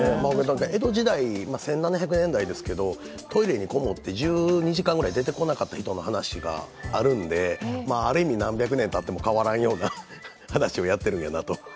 江戸時代、１７００年代なんですけどトイレに籠もって１２時間ぐらい出てこなかった人の話もあるんで、ある意味何百年たっても変わらん話もあるんやなと。